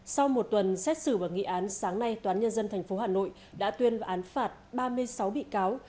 sau một tuần xét xử và nghị án sáng nay toán nhân dân tp hà nội đã tuyên vào án phạt ba mươi sáu bị cáo